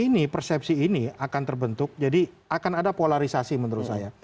ini persepsi ini akan terbentuk jadi akan ada polarisasi menurut saya